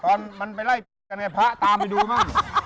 ตอนมันไปไล่เปอร์กันหน่อยพระตามไปดูม่อน